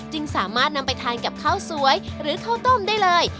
สามารถนำไปทานกับข้าวสวยหรือข้าวต้มได้เลย